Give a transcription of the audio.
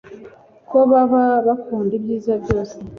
ko baba bakunda ibyiza byose